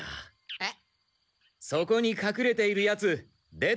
えっ？